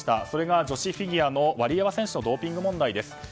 それが、女子フィギュアのワリエワ選手のドーピング問題です。